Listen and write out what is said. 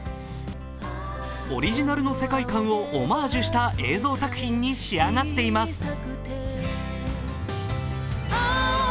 オリジナルの世界観をオマージュした映像作品に仕上がっています。